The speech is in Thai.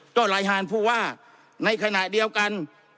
ลายฮานผู้ว่าในขณะเดียวกัน